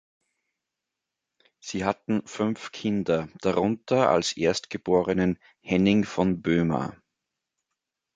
Sie hatten fünf Kinder, darunter als Erstgeborenen Henning von Boehmer.